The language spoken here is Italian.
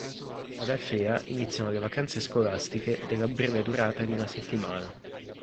Ad Alfea iniziano le vacanze scolastiche dalla breve durata di una settimana.